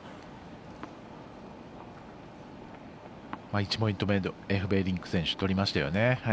１ポイント目エフベリンク選手取りましたよね。